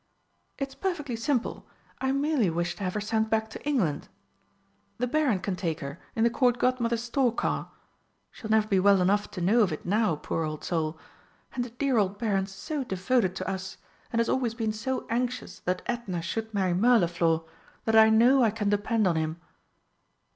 "It's perfectly simple. I merely wish to have her sent back to England. The Baron can take her in the Court Godmother's stork car. She'll never be well enough to know of it now, poor old soul! And the dear old Baron's so devoted to Us, and has always been so anxious that Edna should marry Mirliflor, that I know I can depend on him."